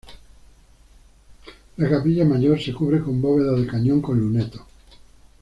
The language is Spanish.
La capilla mayor se cubre con bóveda de cañón con lunetos.